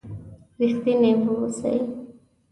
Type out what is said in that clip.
رښتيني و اوسئ!